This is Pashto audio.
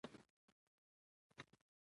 دا ځل دوه څټې غنم وشول